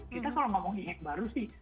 kita selalu ngomong e hack baru sih